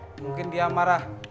mungkin dia marah